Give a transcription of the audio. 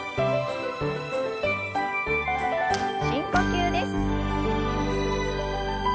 深呼吸です。